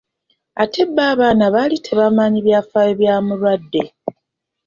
Ate bo abaana baali tebamanyi byafaayo bya mulwadde.